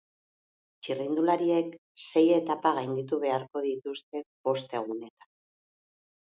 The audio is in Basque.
Txirrindulariek sei etapa gainditu beharko dituzte bost egunetan.